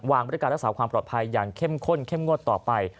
บริการรักษาความปลอดภัยอย่างเข้มข้นเข้มงวดต่อไป